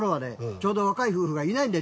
ちょうど若い夫婦がいないんだよ